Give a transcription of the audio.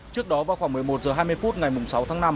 trước đó vào khoảng một mươi một h hai mươi phút ngày sáu tháng năm